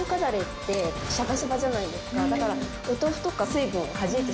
だから。